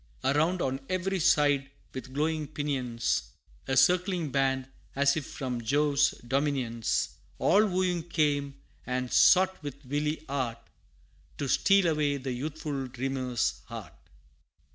Around on every side, with glowing pinions, A circling band, as if from Jove's dominions, All wooing came, and sought with wily art, To steal away the youthful dreamer's heart.